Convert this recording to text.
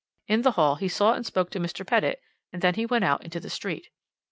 In the hall he saw and spoke to Mr. Pettitt, and then he went out into the street.